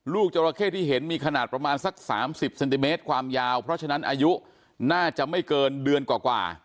จราเข้ที่เห็นมีขนาดประมาณสัก๓๐เซนติเมตรความยาวเพราะฉะนั้นอายุน่าจะไม่เกินเดือนกว่า